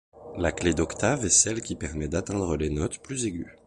La clé d’octave est celle qui permet d’atteindre les notes plus aiguës.